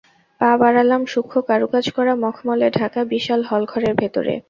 পা বাড়ালাম সূক্ষ্ম কারুকাজ করা মখমলে ঢাকা বিশাল হলঘরের ভেতরে।